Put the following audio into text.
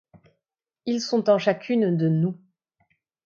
Ils sont en chacune de nous.